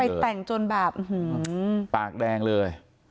แต่งจนแบบปากแดงเลย